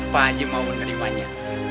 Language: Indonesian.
pak haji mau menerimanya